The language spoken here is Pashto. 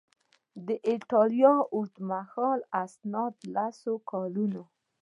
د ایټالیا اوږدمهاله اسناد لس کلونه